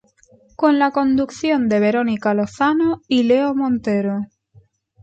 Con la conducción de Verónica Lozano y Leo Montero.